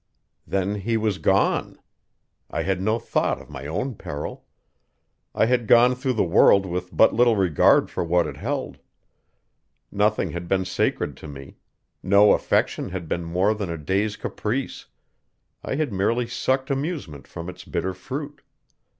Then he was gone! I had no thought of my own peril. I had gone through the world with but little regard for what it held; nothing had been sacred to me; no affection had been more than a day's caprice; I had merely sucked amusement from its bitter fruit.